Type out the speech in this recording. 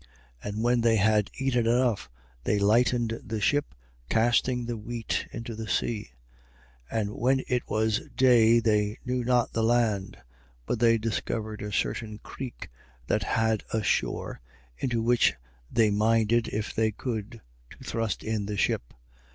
27:38. And when they had eaten enough, they lightened the ship, casting the wheat into the sea. 27:39. And when it was day, they knew not the land. But they discovered a certain creek that had a shore, into which they minded, if they could, to thrust in the ship.